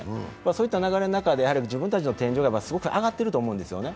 そういった流れの中で自分たちの天井、すごく上がってると思うんですよね。